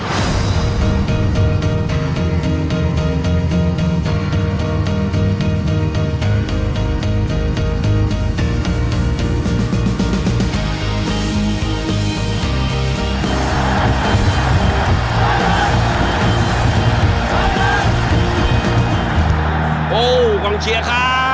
แล้ววันไหนถ้าคุณแพ้แล้วคุณก็จะเสียใจ